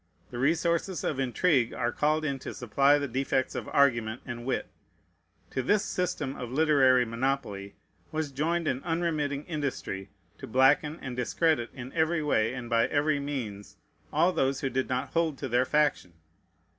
The resources of intrigue are called in to supply the defects of argument and wit. To this system of literary monopoly was joined an unremitting industry to blacken and discredit in every way, and by every means, all those who did not hold to their faction.